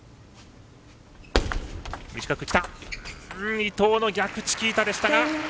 伊藤の逆チキータです。